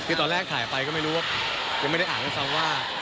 คือตอนแรกถ่ายไปก็ไม่รู้ว่ายังไม่ได้อ่านด้วยซ้ำว่า